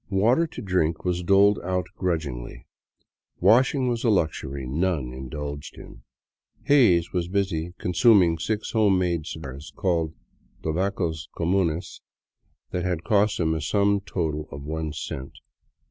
Water to drink was doled out grudgingly; washing was a luxury none indulged in. Hays was busy consuming six home made cigars, called " tobacos comunes," that had cost him a sum total of one cent.